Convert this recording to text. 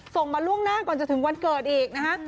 ส่งมาล่วงหน้าก่อนจะถึงวันเกิดอีกนะฮะ